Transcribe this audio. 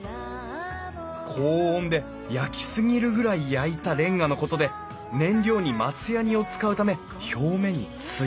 高温で焼き過ぎるぐらい焼いたれんがのことで燃料に松ヤニを使うため表面に艶が出る。